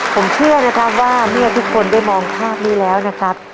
ผมเชื่อนะครับว่าเมื่อทุกคนได้มองภาพนี้แล้วนะครับ